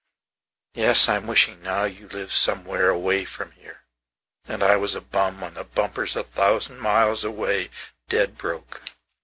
Yes, I'm wishing now you lived somewhere away from hereAnd I was a bum on the bumpers a thousand miles away dead broke.